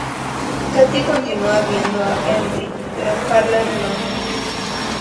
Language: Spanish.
Katie continúa viendo a Embry, pero Handler no.